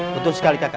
betul sekali kakak